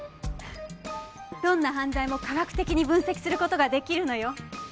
どんな犯罪も科学的に分析する事が出来るのよ。